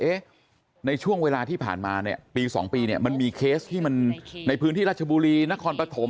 ในช่วงเวลาที่ผ่านมาเนี่ยปี๒ปีเนี่ยมันมีเคสที่มันในพื้นที่รัชบุรีนครปฐม